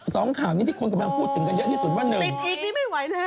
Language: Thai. นั่นแหละ๒ข่าวนี้ที่คนกำลังพูดถึงกันเยอะที่สุดว่า๑